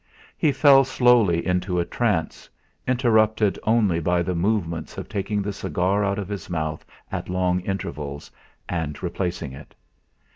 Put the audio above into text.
He fell slowly into a trance, interrupted only by the movements of taking the cigar out of his mouth at long intervals, and replacing it.